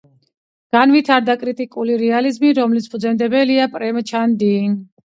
განვითარდა კრიტიკული რეალიზმი, რომლის ფუძემდებელია პრემჩანდი.